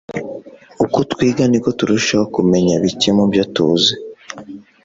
uko twiga, niko turushaho kumenya bike mubyo tuzi